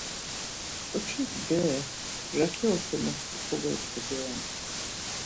Ǩoçik bere raǩi oşumusti kogyogu doren.